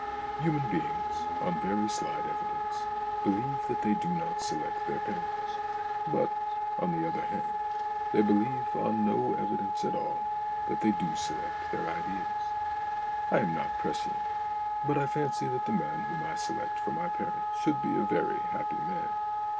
Human beings on very slight evidence believe that they do not select their parents ; but, on the 42 THE AUTOBIOGRAPHY OF AN IDEA 43 other hand, they believe on no evidence at all that they do select their ideas. I am not prescient, but I fancy that the man whom I select for my parent should be a very happy man.